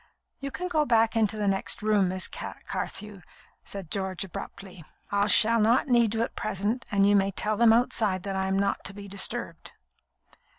"You can go back into the next room, Miss Carthew," said George, abruptly. "I shall not need you at present, and you may tell them outside that I am not to be disturbed."